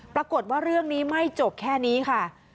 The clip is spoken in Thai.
ปรากฏว่าเรื่องนี้ไม่จบแค่นี้ค่ะ